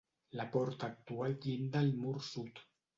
La porta actual llinda al mur sud.